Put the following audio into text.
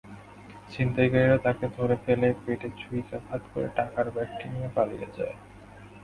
ছিনতাইকারীরা তাঁকে ধরে ফেলে পেটে ছুরিকাঘাত করে টাকার ব্যাগটি নিয়ে পালিয়ে যায়।